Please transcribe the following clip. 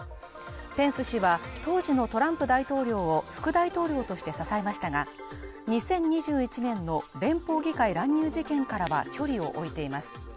ペンス氏は当時のトランプ大統領を副大統領として支えましたが、２０２１年の連邦議会乱入事件からは距離を置いています。